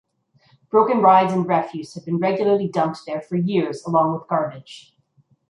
Broken rides and refuse had been regularly dumped there for years along with garbage.